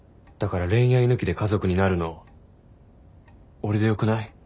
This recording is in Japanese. だから恋愛抜きで家族になるの俺でよくない？